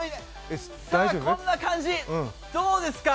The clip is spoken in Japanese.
こんな感じ、どうですか？